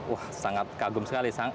wah sangat kagum sekali